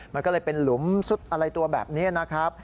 มันก็เลยเป็นหลุมซุดอะไรตัวแบบนี้นะครับ